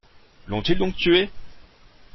L’ont-ils donc tué?